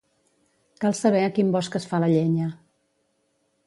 Cal saber a quin bosc es fa la llenya.